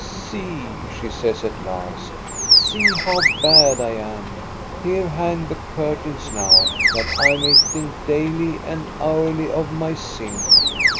*' See," she says at last, " see how bad I am. Here hang the curtains now, that I may think daily and hourly of my sin.